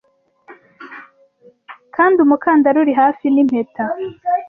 kandi umukandara uri hafi ni impeta